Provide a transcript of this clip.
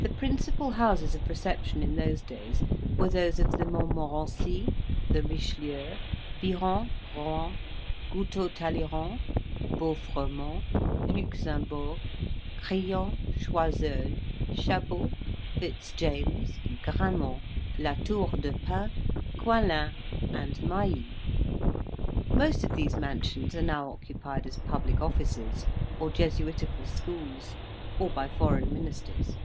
The principal houses of reception in those days were those of the Montmorencys, the Richelieus, Birons, Rohans, Goutaut Talleyrands, Beauffremonts, Luxemburgs, Crillons, Choiseuls, Chabots, Fitzjames, Grammonts, Latours de Pin, Coislins, and Maillys. Most of these mansions are now occupied as public offices, or Jesuitical schools, or by foreign Ministers.